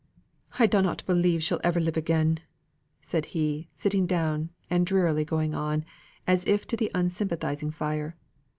I dunnot believe she'll ever live again," said he, sitting down, and drearily going on, as if to the unsympathising fire.